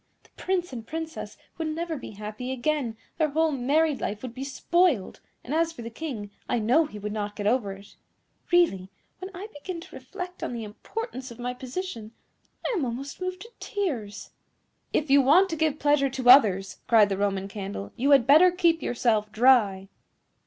The Prince and Princess would never be happy again, their whole married life would be spoiled; and as for the King, I know he would not get over it. Really, when I begin to reflect on the importance of my position, I am almost moved to tears." "If you want to give pleasure to others," cried the Roman Candle, "you had better keep yourself dry."